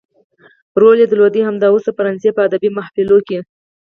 رول يې درلود همدا اوس د فرانسې په ادبي محافلو کې.